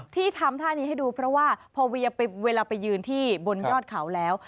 ที่ทำท่านี้ให้ดูเพราะว่าพอเวลาไปยืนที่บนยอดเขาแล้ว